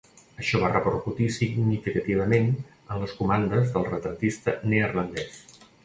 Això va repercutir significativament en les comandes del retratista neerlandès.